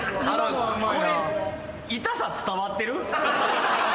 これ痛さ伝わってる？